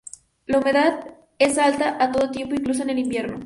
La humedad es alta a todo tiempo, incluso en el invierno.